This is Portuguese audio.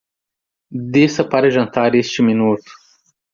Desça para jantar este minuto.